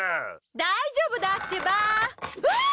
大丈夫だってばうわ！